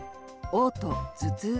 おう吐・頭痛。